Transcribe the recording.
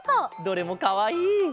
どれもかわいい！